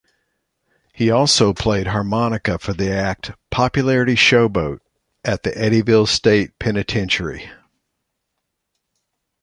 He also played harmonica for the act "Popularity Showboat" at the Eddyville State Penitentiary.